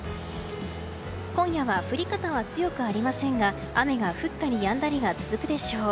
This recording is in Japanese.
今夜は降り方は強くありませんが雨が降ったりやんだりが続くでしょう。